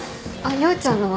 陽ちゃんのは？